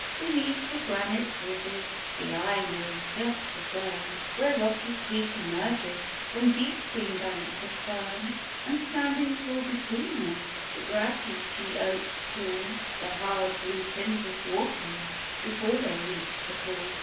Beneath the granite ridges The eye may just discern Where Rocky Creek emerges From deep green banks of fern; And standing tall between them, The grassy sheoaks cool The hard, blue tinted waters Before they reach the pool.